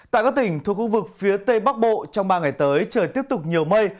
tại các tỉnh thuộc khu vực phía tây bắc bộ trong ba ngày tới trời tiếp tục nhiều mây